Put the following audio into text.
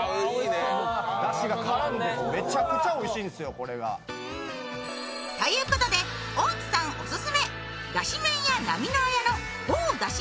だしが絡んでめちゃくちゃおいしいんですよ、これが。ということで大津さんオススメだし麺屋ナミノアヤの熬ｇｏｕだし